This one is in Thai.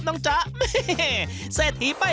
สวัสดีครับ